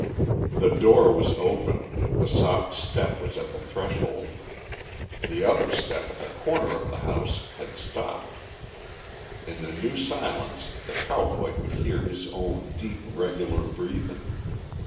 The door was open, the soft step was at the threshold. The other step at the corner of the house had stopped. In the new silence the cowboy could hear his own deep, regular breathing.